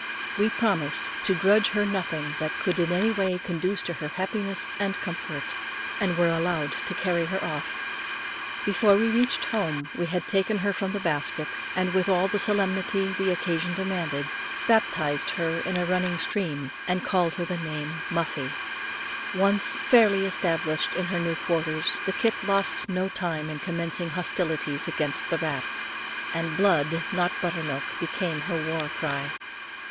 We promised to grudge her nothing that could in any way conduce to her happiness and comfort, and were allowed to carry her off. Before we reached home, we had taken her from the basket, and with all the solemnity the occasion demanded, baptized her in a running stream, and called her name Muffie. Once fairly established in her new quarters, the kit lost no time in commencing hostilities against the rats, and blood, not butter milk, became her war cry.